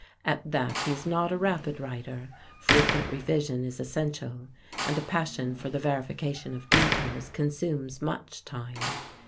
At that he is not a rapid writer, frequent revision is essential, and a passion for the verification of details consumes much time.